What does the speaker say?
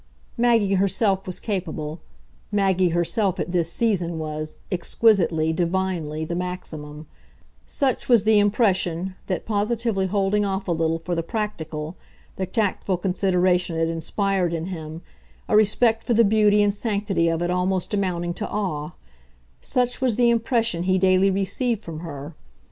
Maggie herself was capable; Maggie herself at this season, was, exquisitely, divinely, the maximum: such was the impression that, positively holding off a little for the practical, the tactful consideration it inspired in him, a respect for the beauty and sanctity of it almost amounting to awe such was the impression he daily received from her.